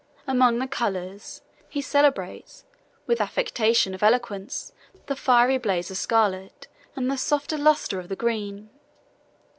Among the colors, he celebrates, with affectation of eloquence, the fiery blaze of the scarlet, and the softer lustre of the green.